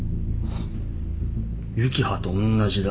幸葉とおんなじだ。